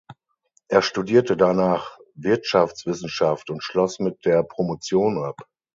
Er studierte danach Wirtschaftswissenschaft und schloss mit der Promotion ab.